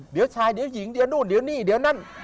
เดี๋ยวชายเดี๋ยวหญิงเดี๋ยวนู่นเดี๋ยวนี่เดี๋ยวนั่น